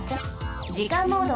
じかんモード。